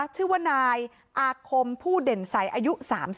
ชื่อว่านายอาคมผู้เด่นใสอายุ๓๒